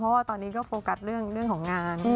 เพราะว่าตอนนี้ก็โฟกัสเรื่องของงาน